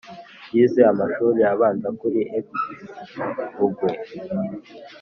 yize amashuri abanza kuri e.p bungwe.